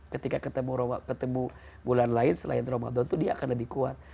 ketika ketemu bulan lain selain ramadan itu dia akan lebih kuat